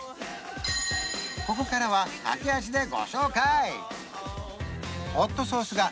ここからは駆け足でご紹介